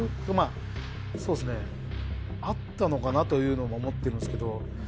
まあそうっすねあったのかなというのも思ってるんですけど